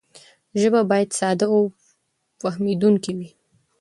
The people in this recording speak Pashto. ژبه باید ساده او فهمېدونکې وي.